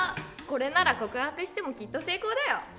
これなら告白してもきっと成功だよ！